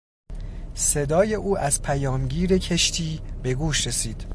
صدای او از پیامگیر کشتی به گوش رسید.